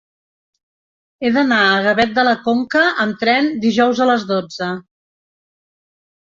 He d'anar a Gavet de la Conca amb tren dijous a les dotze.